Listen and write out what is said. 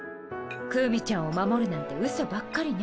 クウミちゃんを守るなんてうそばっかりね。